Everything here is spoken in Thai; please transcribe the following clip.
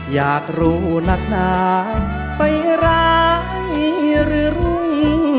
อยากรู้นักหนาไปร้ายหรือรุ่ง